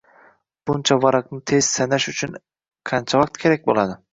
Buncha varaqni tez sanash uchun qancha vaqt kerak boʻladi